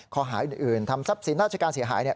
ข้อหาอื่นทำทรัพย์สินราชการเสียหาย